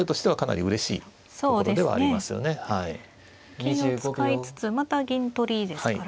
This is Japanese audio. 金を使いつつまた銀取りですから。